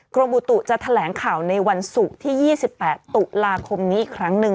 กรมบุตุจะแถลงข่าวในวันศุกร์ที่๒๘ตุลาคมนี้อีกครั้งหนึ่ง